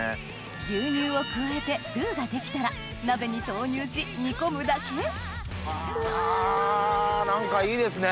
牛乳を加えてルーができたら鍋に投入し煮込むだけあ何かいいですね。